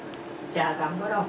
じゃあ頑張ろう。